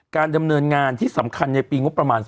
การดำเนินงานที่สำคัญในปี